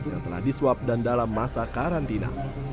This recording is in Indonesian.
yang telah diswab dan dalam masa karantina